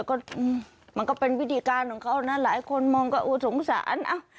ก็มันก็เป็นวิธีการของเขานะหลายคนมองก็อู้สงสาร